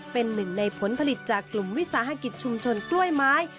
เป็นหนึ่งในผลผลิตจากกลุ่มวิสาหกิจชุมชนกล้วยไม้